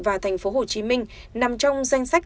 và tp hcm nằm trong danh sách